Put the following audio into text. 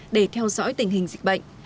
để theo dõi tình hình dịch bệnh